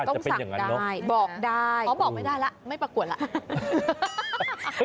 ต้องสั่งได้บอกได้อ๋อบอกไม่ได้แล้วไม่ประกวดแล้ว